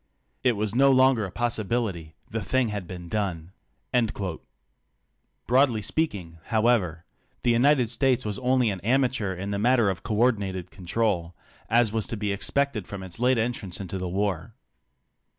It was no longer a possi bility, the thing had been done." Broadly speaking, however, the United States was only an amateur in the matter of co ordinated control, as was to be expected from its late entrance into the war.